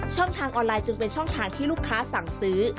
ช่องทางออนไลน์จึงเป็นช่องทางที่ลูกค้าสั่งซื้อ